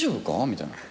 みたいな。